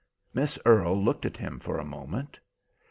Miss Earle looked at him for a moment.